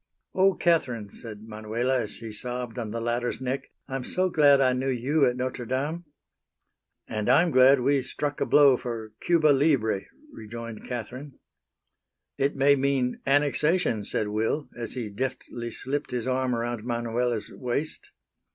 "Oh! Catherine," said Manuela as she sobbed on the latter's neck, "I'm so glad I knew you at Notre Dame!" "And I'm glad we struck a blow for Cuba libre," rejoined Catherine. "It may mean annexation," said Will, as he deftly slipped his arm around Manuela's waist.